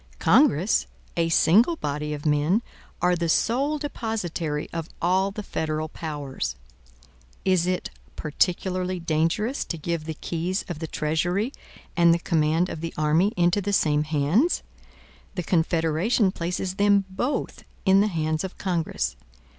Congress, a single body of men, are the sole depositary of all the federal powers. Is it particularly dangerous to give the keys of the treasury, and the command of the army, into the same hands? The Confederation places them both in the hands of Congress.